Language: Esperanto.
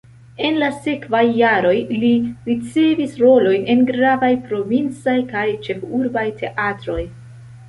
En la sekvaj jaroj li ricevis rolojn en gravaj provincaj kaj ĉefurbaj teatroj.